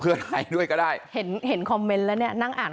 เพื่อถ่ายด้วยก็ได้เห็นเห็นคอมเมนต์แล้วเนี่ยนั่งอ่าน